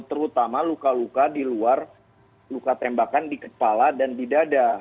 terutama luka luka di luar luka tembakan di kepala dan di dada